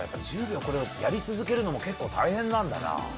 １０秒これをやり続けるのも結構大変なんだなぁ。